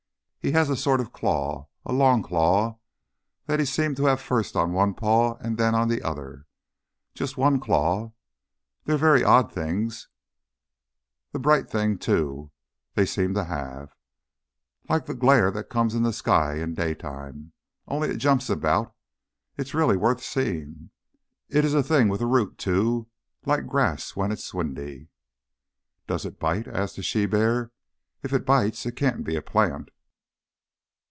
"He has a sort of claw a long claw that he seemed to have first on one paw and then on the other. Just one claw. They're very odd things. The bright thing, too, they seemed to have like that glare that comes in the sky in daytime only it jumps about it's really worth seeing. It's a thing with a root, too like grass when it is windy." "Does it bite?" asked the she bear. "If it bites it can't be a plant."